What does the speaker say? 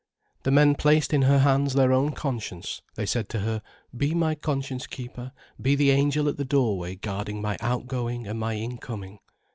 The men placed in her hands their own conscience, they said to her "Be my conscience keeper, be the angel at the doorway guarding my outgoing and my incoming."